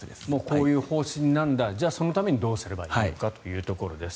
こういう方針なんだそのためにどうすればいいかということです。